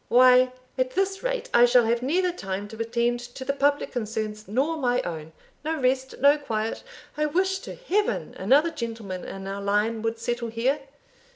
why, at this rate, I shall have neither time to attend to the public concerns nor my own no rest no quiet I wish to Heaven another gentleman in our line would settle here!"